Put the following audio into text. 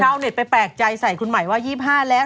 เข้ามาแลนด์ไปปรักใจใส่คุณหมายว่า๒๕แล้ว